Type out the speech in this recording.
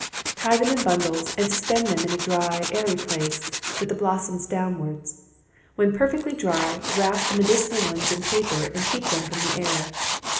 Tie them in bundles, and suspend them in a dry, airy place, with the blossoms downwards. When perfectly dry, wrap the medicinal ones in paper and keep them from the air.